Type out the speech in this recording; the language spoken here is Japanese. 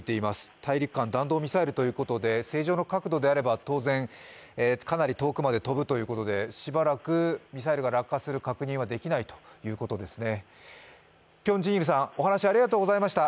大陸間弾道ミサイルということで正常の角度であれば当然、かなり遠くまで飛ぶということでしばらくミサイルが落下する確認はできないということですね。